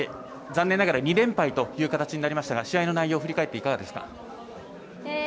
残念ながら２連敗という形になりましたが試合の内容振り返っていかがですか。